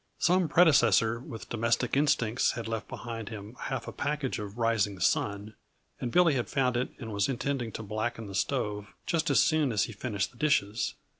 Some predecessor with domestic instincts had left behind him half a package of "Rising Sun," and Billy had found it and was intending to blacken the stove just as soon as he finished the dishes.